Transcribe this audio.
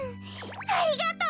ありがとう！